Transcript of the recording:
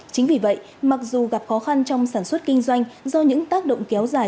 chính vì vậy mặc dù gặp khó khăn trong sản xuất kinh doanh do những tác động kéo dài